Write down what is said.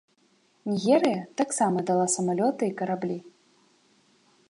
Нігерыя таксама дала самалёты і караблі.